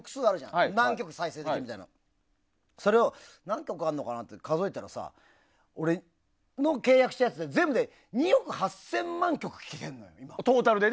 それで何曲再生できるか数えたらさ、俺の契約したやつで全部で２億８０００万曲聴けるのよ。